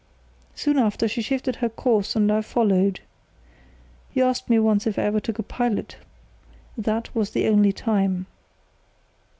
Soon after, she shifted her course and I followed. You asked me once if I ever took a pilot. That was the only time."